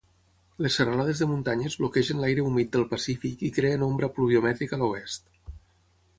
Les serralades de muntanyes bloquegen l'aire humit del Pacífic i creen ombra pluviomètrica a l'oest.